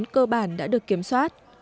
cơ bản đã được kiểm soát